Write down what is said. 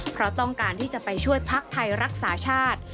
เพราะต้องการที่จะไปช่วยพักไทยรักษาชาติ